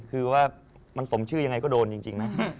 คือว่ามันสมชื่อยังไงก็โดนจริงนะ